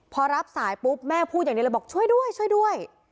พอรับสายปุ๊บแม่พูดอย่างนี้แล้วบอกช่วยด้วย